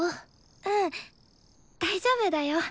うん大丈夫だよ。